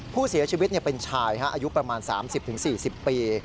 ผู้เสียชีวิตเป็นชายอายุประมาณ๓๐๔๐ปี